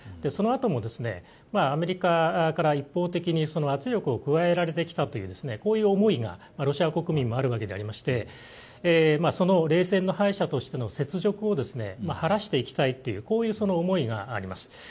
そのあともアメリカから一方的に圧力を加えられてきたというこういう思いがロシア国民にはあるわけでしてその冷戦の敗者としての雪辱を晴らしていきたいという思いがあります。